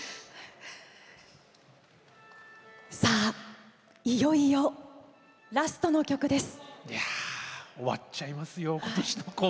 さあ、いよいよラストの曲です！